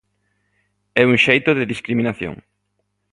É un xeito de discriminación.